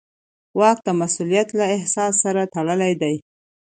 واک د مسوولیت له احساس سره تړلی دی.